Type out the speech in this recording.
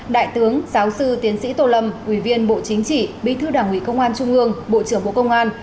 đại tướng giáo sư tiến sĩ tô lâm ủy viên bộ chính trị bí thư đảng ủy công an trung ương bộ trưởng bộ công an